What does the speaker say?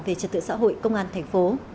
về trật tựa xã hội công an thành phố